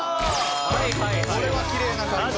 これはきれいな解答。